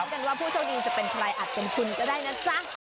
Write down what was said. รวมกันว่าผู้เจ้าดีจะเป็นอะไรอาจเป็นคุณก็ได้นะจ๊ะ